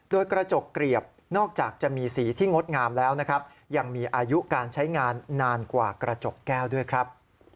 โดยกระจกเกลียบนอกจากจะมีสีที่งดงามแล้วนะครับยังมีอายุการใช้งานนานกว่ากระจกแก้วด้วยครับ